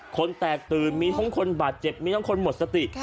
คนแตกตื่นมีทั้งคนบาดเจ็บมีทั้งคนหมดสติ